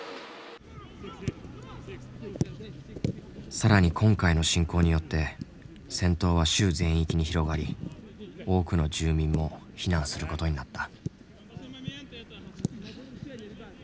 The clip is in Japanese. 更に今回の侵攻によって戦闘は州全域に広がり多くの住民も避難することになった。